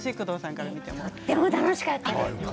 とても楽しかったです。